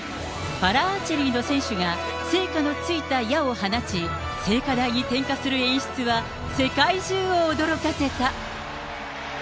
パラアーチェリーの選手が、聖火のついた矢を放ち、聖火台に点火する演出は世界中を驚かせた。